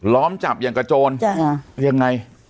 ล้อมจับอย่างกับโจรยังไง